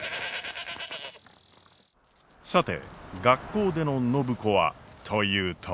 さて学校での暢子はというと。